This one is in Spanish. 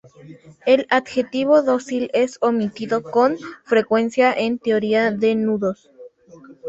El adjetivo dócil es omitido con frecuencia en teoría de nudos.